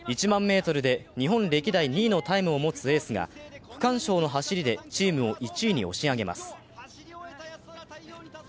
１００００ｍで日本歴代２位のタイムを持つエースが区間賞の走りでチームを１位に押し上げます。